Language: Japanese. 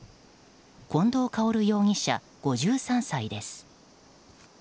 近藤薫容疑者、５３歳です。